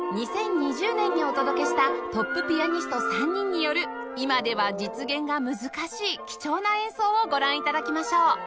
２０２０年にお届けしたトップピアニスト３人による今では実現が難しい貴重な演奏をご覧頂きましょう！